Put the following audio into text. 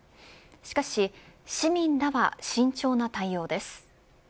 しかし、市民らは慎重な対応です。